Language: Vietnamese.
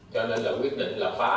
cho nên là quyết định là phá